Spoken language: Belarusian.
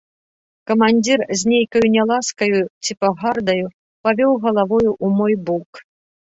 Камандзір з нейкаю няласкаю ці пагардаю павёў галавою ў мой бок.